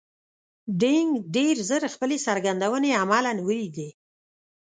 دینګ ډېر ژر خپلې څرګندونې عملاً ولیدې.